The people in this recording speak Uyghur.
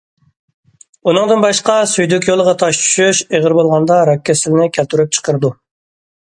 ئۇنىڭدىن باشقا، سۈيدۈك يولىغا تاش چۈشۈش، ئېغىر بولغاندا راك كېسىلىنى كەلتۈرۈپ چىقىرىدۇ.